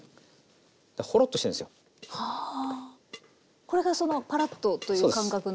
これがそのパラッとという感覚の。